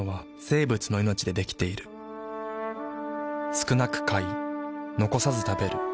少なく買い残さず食べる。